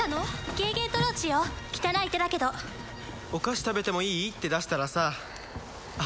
ゲーゲー・トローチよ汚い手だけど「お菓子食べてもいい？」って出したらさあ